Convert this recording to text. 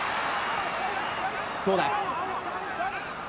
どうだ？